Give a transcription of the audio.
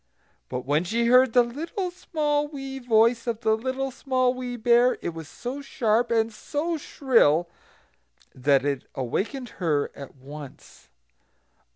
But when she heard the little, small, wee voice of the Little Small Wee Bear, it was so sharp, and so shrill, that it awakened her at once.